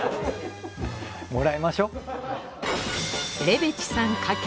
もらいましょう。